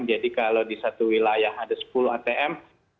jadi kalau di satu wilayah ada sepuluh atm